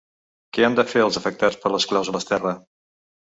Què han de fer els afectats per les clàusules terra?